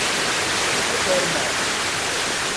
Ad armeɣ.